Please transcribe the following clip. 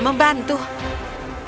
tidak tidak tidak